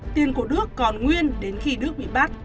tiền của đức còn nguyên đến khi đức bị bắt